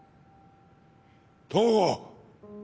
東郷。